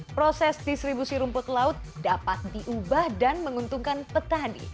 proses distribusi rumput laut dapat diubah dan menguntungkan petani